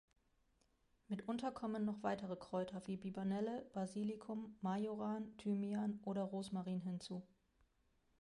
Mitunter kommen noch weitere Kräuter wie Bibernelle, Basilikum, Majoran, Thymian oder Rosmarin hinzu.